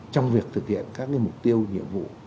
trong việc thực hiện các mục tiêu nhiệm vụ